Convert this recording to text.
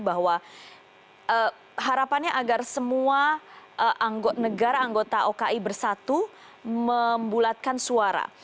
bahwa harapannya agar semua negara anggota oki bersatu membulatkan suara